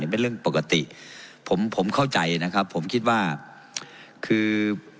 เป็นเรื่องปกติผมผมเข้าใจนะครับผมคิดว่าคือ